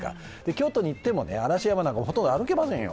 京都に行っても嵐山なんか、ほとんど歩けませんよ。